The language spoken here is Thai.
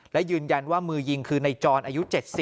และยืนยันว่ามือยิงคือในจรอายุ๗๐